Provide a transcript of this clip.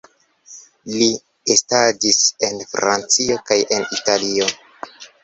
Li estadis en Francio kaj en Italio.